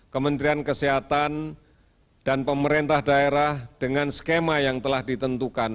kementerian kesehatan dan pemerintah daerah dengan skema yang telah ditentukan